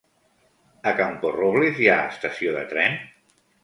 A Camporrobles hi ha estació de tren?